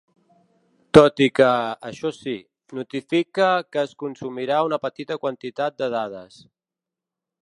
Tot i que, això sí, notifica que es consumirà una petita quantitat de dades.